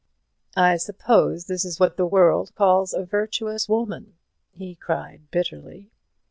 "I suppose this is what the world calls a virtuous woman," he cried, bitterly.